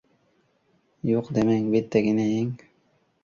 — Yo‘q demang, bittagina yeng.